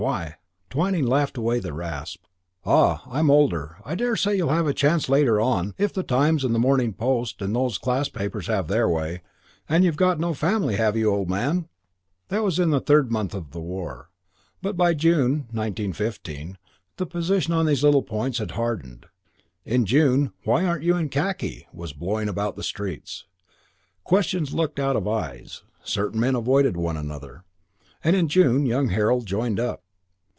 Why?" Twyning laughed away the rasp. "Ah, I'm older. I daresay you'll have a chance later on, if the Times and the Morning Post and those class papers have their way. And you've got no family, have you, old man?" III That was in the third month of the war. But by June, 1915, the position on these little points had hardened. In June, "Why aren't you in khaki?" was blowing about the streets. Questions looked out of eyes. Certain men avoided one another. And in June young Harold joined up.